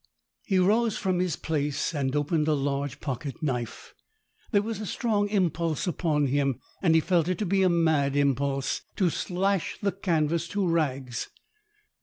He rose from his place and opened a large pocket knife. There was a strong impulse upon him, and he felt it to be a mad impulse, to slash the canvas to rags.